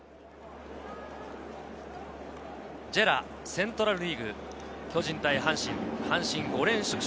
セントラルリーグ、巨人対阪神、阪神５連勝中。